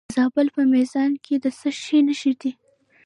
د زابل په میزانه کې د څه شي نښې دي؟